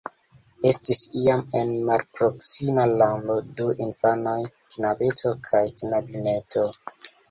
Estis iam en malproksima lando du infanoj, knabeto kaj knabineto.